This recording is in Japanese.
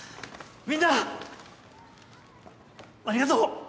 みんなありがとう！